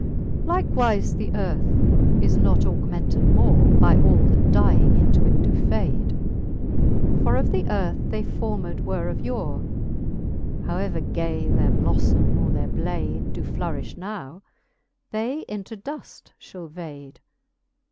XL. Likewife the earth is not augmented more By all that dying into it doe fade. For of the earth they formed were of yore : How ever gay their blofTome or their blade Doe flourifh now, they into duft fhall vade.